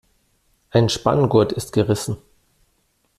Ein Spanngurt ist gerissen.